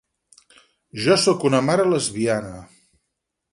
Jo sóc una mare lesbiana.